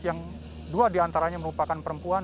yang dua di antaranya merupakan perempuan